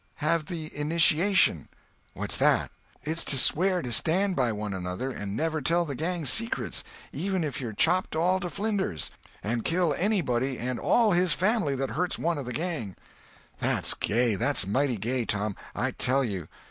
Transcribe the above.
"Have the initiation." "What's that?" "It's to swear to stand by one another, and never tell the gang's secrets, even if you're chopped all to flinders, and kill anybody and all his family that hurts one of the gang." "That's gay—that's mighty gay, Tom, I tell you."